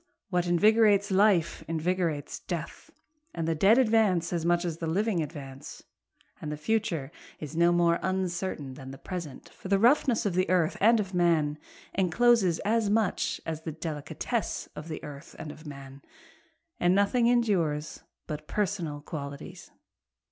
What invigorates life invigorates death, And the dead advance as much as the living advance, And the future is no more uncertain than the present, For the roughness of the earth and of man encloses as much as the delicatesse of the earth and of man, And nothing endures but personal qualities.